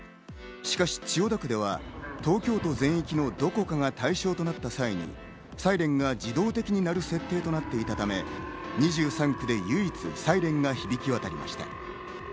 しかし千代田区では東京都全域のどこかが対象となった際にサイレンが自動的になる設定となっていたため、２３区で唯一サイレンが響き渡りました。